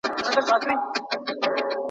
که وخت وي، خواړه ورکوم.